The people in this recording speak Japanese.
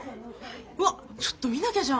うわっちょっと見なきゃじゃん。